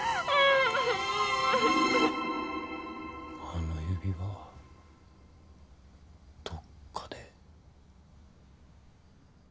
あの指輪どっかで。